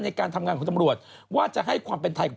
ในการทำงานของตำรวจว่าจะให้ความเป็นไทย